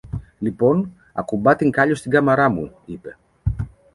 Λοιπόν ακουμπά την κάλλιο στην κάμαρα μου, είπε.